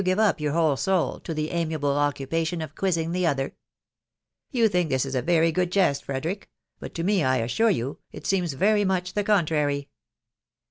give up your whole soul to the: amiable occupation of quiazing; the other I " ct You, think this is a very good jest* Frederick .... but to me, I assure you, it seems .very miek the contrary."